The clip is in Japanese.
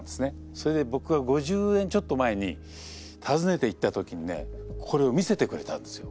それで僕は５０年ちょっと前に訪ねていった時にねこれを見せてくれたんですよ。